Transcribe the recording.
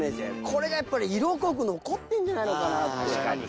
これがやっぱり色濃く残ってるんじゃないのかなって。